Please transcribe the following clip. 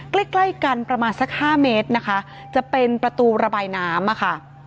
ใกล้ใกล้กันประมาณสัก๕เมตรนะคะจะเป็นประตูระบายน้ำอะค่ะ